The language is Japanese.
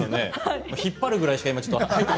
引っ張るぐらいしか今。